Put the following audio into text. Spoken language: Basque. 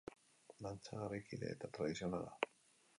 Dantza garaikide eta tradizionala.